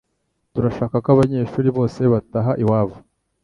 Turashaka ko abanyeshuri bose bataha iwabo